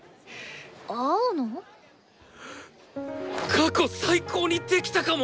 過去最高にできたかも！